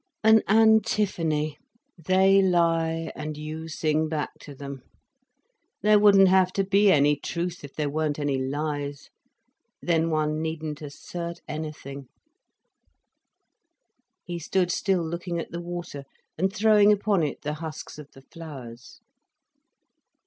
"An antiphony—they lie, and you sing back to them. There wouldn't have to be any truth, if there weren't any lies. Then one needn't assert anything—" He stood still, looking at the water, and throwing upon it the husks of the flowers.